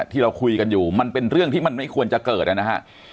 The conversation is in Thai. ที่เราคุยกันอยู่มันเป็นเรื่องที่มันไม่ควรจะเกิดนะฮะ